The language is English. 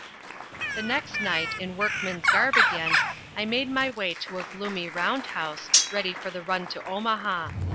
The next night, in workman's garb again, I made my way to a gloomy round house, ready for the run to Omaha.